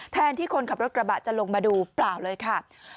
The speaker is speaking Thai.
ที่คนขับรถกระบะจะลงมาดูเปล่าเลยค่ะ